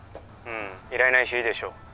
☎うん依頼ないしいいでしょ？